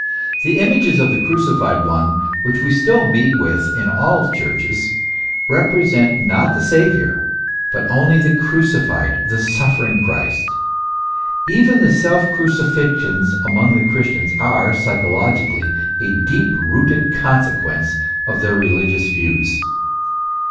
f The images of the crucified one which we still meet with in all churches, represent not the Saviour, but only the crucified, the suffering Christ. Even the self crucifixions among the Chris tians are, psychologically, a deep rooted consequence of their religious views.